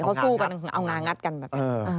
เขาสู้กันถึงเอางางัดกันแบบนี้